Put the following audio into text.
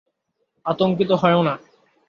আতংকিত হয়ো না।